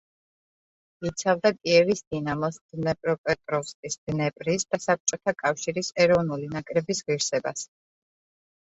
იცავდა კიევის „დინამოს“, დნეპროპეტროვსკის „დნეპრის“ და საბჭოთა კავშირის ეროვნული ნაკრების ღირსებას.